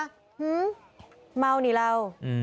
หื้อเมาหนี่เล่า